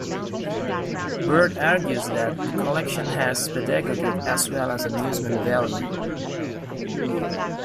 Byrd argues that the collection has pedagogic as well as amusement value.